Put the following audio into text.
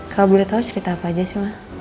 kalau boleh tahu cerita apa aja sih